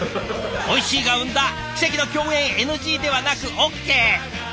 おいしいが生んだ奇跡の共演ＮＧではなくＯＫ！